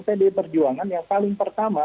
pdi perjuangan yang paling pertama